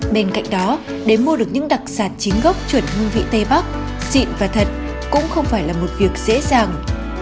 bên cạnh đó để mua được những đặc sản chính gốc chuẩn hương vị tây bắc xịn và thật cũng không phải là một việc dễ dàng